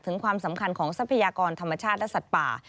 ความสำคัญของทรัพยากรธรรมชาติและสัตว์ป่า